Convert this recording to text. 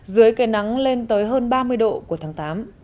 dưới cây nắng lên tới hơn ba mươi độ của tháng tám